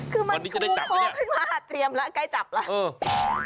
คือมันพอขึ้นมาเตรียมแล้วใกล้จับแล้ว